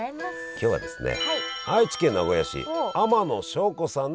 今日はですね